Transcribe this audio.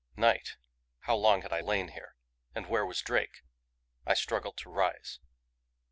Night? How long had I lain here? And where was Drake? I struggled to rise.